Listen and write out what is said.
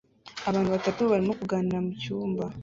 Abantu batatu barimo kuganira mucyumba